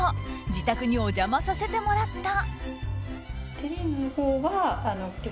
自宅にお邪魔させてもらった。